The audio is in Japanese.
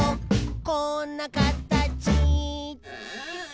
「こんなかたち」